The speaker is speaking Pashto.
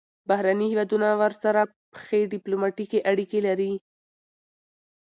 بهرني هیوادونه ورسره ښې ډیپلوماتیکې اړیکې لري.